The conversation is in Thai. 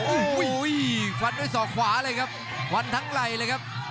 โอ้โหฟันด้วยศอกขวาเลยครับฟันทั้งไหล่เลยครับ